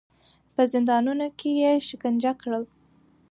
په زندانونو کې یې شکنجه کړل.